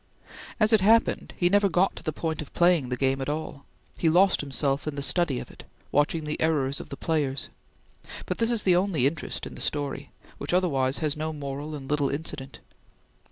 As it happened, he never got to the point of playing the game at all; he lost himself in the study of it, watching the errors of the players; but this is the only interest in the story, which otherwise has no moral and little incident.